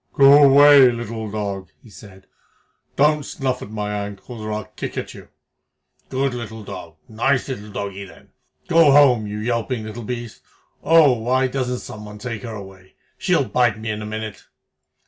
"Go away, little dog!" he said. "Don't snuff at my ankles, or I'll kick at you. Good little dog nice little doggie, then! Go home, you yelping little beast! Oh, why doesn't someone take her away? She'll bite me in a minute."